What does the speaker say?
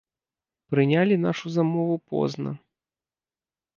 Прынялі нашу замову позна.